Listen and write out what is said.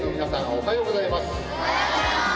おはようございます。